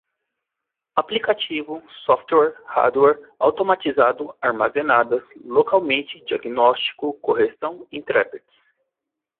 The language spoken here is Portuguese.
aplicativo, software, hardware, automatizado, armazenadas, localmente, diagnóstico, correção, intérpretes